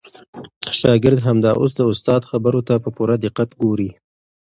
شاګرد همدا اوس د استاد خبرو ته په پوره دقت ګوري.